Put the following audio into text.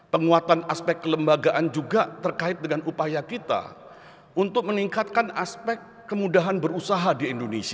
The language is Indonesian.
penguatan aspek kelembagaan juga terkait dengan upaya kita untuk meningkatkan aspek kemudahan berusaha di indonesia